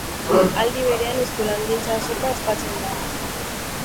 Aldi berean Eskulangintza-azoka ospatzen da.